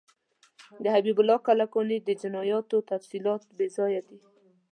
د حبیب الله کلکاني د جنایاتو تفصیلات بیځایه دي.